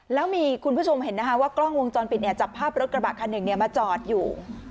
แล้วมีคุณผู้ชมเห็นนะคะว่ากล้องวงจรปิดเนี่ยจับภาพรถกระบะคันหนึ่งมาจอดอยู่